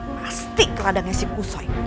pasti ke ladangnya si kusoy